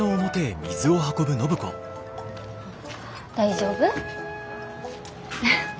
大丈夫？